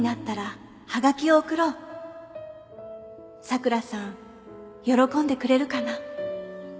佐倉さん喜んでくれるかな？